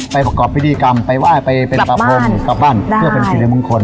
ไปประกอบพิธีกรรมไปว่าไปปรับพรมกลับบ้านเพื่อเป็นชีวิตให้มุ่งคน